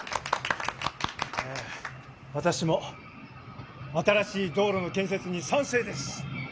えわたしも新しい道路の建設に賛成です！